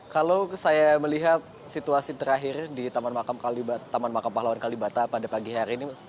kalau saya melihat situasi terakhir di taman makam pahlawan kalibata pada pagi hari ini